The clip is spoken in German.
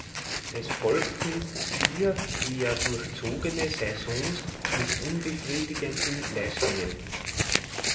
Es folgten vier eher durchzogene Saisons mit unbefriedigenden Leistungen.